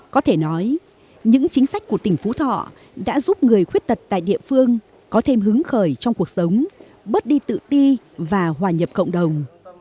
có thể nói những chính sách của tỉnh phú thọ đã giúp người khuyết tật tại địa phương có thêm hứng khởi trong cuộc sống bớt đi tự ti và hòa nhập cộng đồng